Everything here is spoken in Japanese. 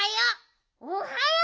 おはよう。